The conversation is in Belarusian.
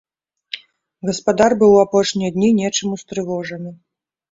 Гаспадар быў у апошнія дні нечым устрывожаны.